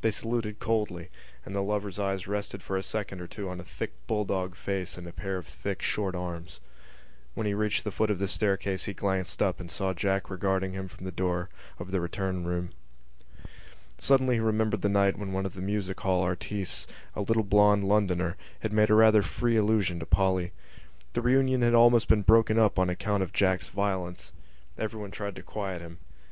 They saluted coldly; and the lover's eyes rested for a second or two on a thick bulldog face and a pair of thick short arms. When he reached the foot of the staircase he glanced up and saw Jack regarding him from the door of the return room. Suddenly he remembered the night when one of the music hall artistes, a little blond Londoner, had made a rather free allusion to Polly. The reunion had been almost broken up on account of Jack's violence. Everyone tried to quiet him.